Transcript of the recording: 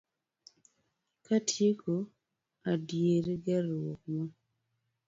Katieko, adier gerruok ma